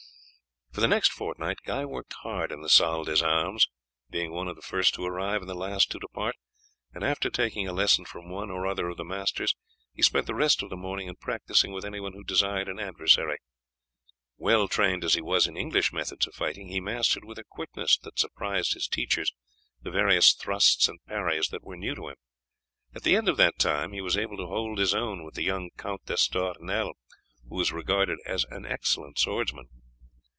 For the next fortnight Guy worked hard in the salle d'armes, being one of the first to arrive and the last to depart, and after taking a lesson from one or other of the masters he spent the rest of the morning in practising with anyone who desired an adversary. Well trained as he was in English methods of fighting, he mastered with a quickness that surprised his teachers the various thrusts and parries that were new to him. At the end of that time he was able to hold his own with the young Count d'Estournel, who was regarded as an excellent swordsman.